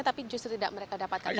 tapi justru tidak mereka dapatkan